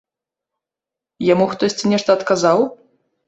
Яму хтосьці нешта адказаў?